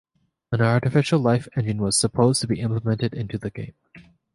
An artificial life engine was supposed to be implemented into the game.